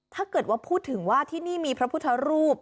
ถ้าเกิดว่าพูดถึงว่าที่นี่มีพระพุทธรูป